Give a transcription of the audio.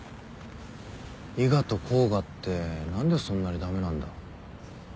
伊賀と甲賀って何でそんなに駄目なんだ？